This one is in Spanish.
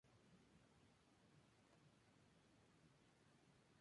Tiene su sede en Madrid, España.